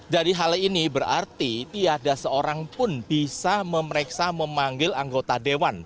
jadi hal ini berarti tiada seorang pun bisa memeriksa memanggil anggota dewan